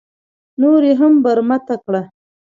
نور یې هم برمته کړه.